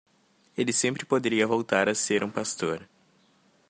Ele sempre poderia voltar a ser um pastor.